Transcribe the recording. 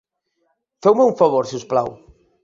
Feu-me un favor, si us plau.